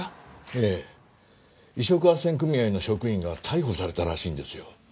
ええ移植斡旋組合の職員が逮捕されたらしいんですよ